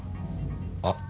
あっ。